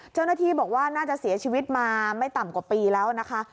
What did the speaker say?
เจ้าหน้าที่บอกว่าน่าจะเสียชีวิตมาไม่ต่ำกว่าปีแล้วนะคะ